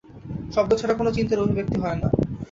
শব্দ ছাড়া কোন চিন্তার অভিব্যক্তি হয় না।